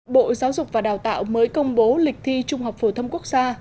bộ giáo dục và đào tạo mới công bố lịch thi trung học phổ thông quốc gia